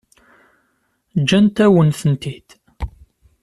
Ǧǧant-awen-tent-id?